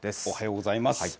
おはようございます。